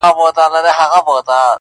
o شناخت به کوو، کور ته به نه سره ځو.